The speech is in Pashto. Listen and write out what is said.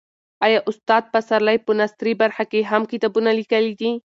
آیا استاد پسرلی په نثري برخه کې هم کتابونه لیکلي دي؟